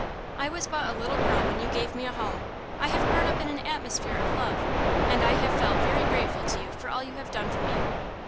I was but a little girl when you gave me a home. I have grown up in an atmosphere of love, and I have felt very grateful to you for all you have done for me.